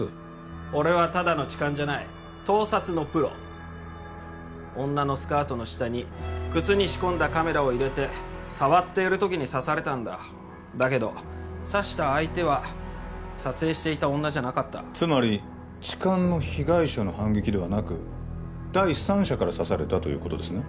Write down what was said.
俺はただの痴漢じゃない盗撮のプロ女のスカートの下に靴に仕込んだカメラを入れて触っている時に刺されたんだだけど刺した相手は撮影していた女じゃなかったつまり痴漢の被害者の反撃ではなく第三者から刺されたということですね